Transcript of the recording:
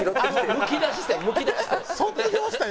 むき出し線むき出し線。